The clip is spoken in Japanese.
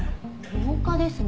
廊下ですね。